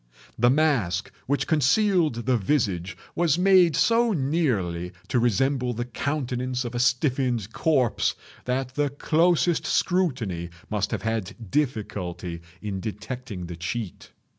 The mask which concealed the visage was made so nearly to resemble the countenance of a stiffened corpse that the closest scrutiny must have had difficulty in detecting the cheat.